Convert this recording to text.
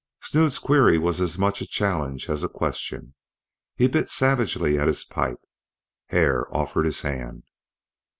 Snood's query was as much a challenge as a question. He bit savagely at his pipe. Hare offered his hand.